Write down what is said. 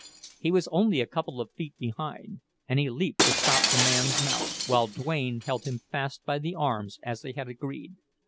He was only a couple of feet behind, and he leaped to stop the man's mouth, while Duane held him fast by the arms, as they had agreed.